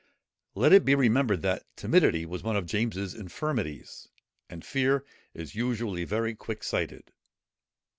Let it be remembered that timidity was one of James's infirmities; and fear is usually very quick sighted.